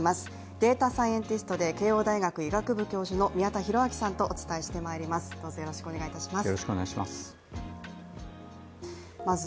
データサイエンティストで慶応大学医学部教授の宮田裕章さんとお伝えしてまいります。